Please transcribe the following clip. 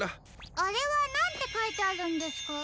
あれはなんてかいてあるんですか？